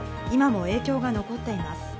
今も影響が残っています。